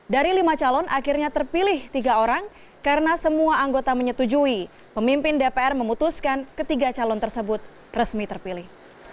dari lima calon akhirnya terpilih tiga orang karena semua anggota menyetujui pemimpin dpr memutuskan ketiga calon tersebut resmi terpilih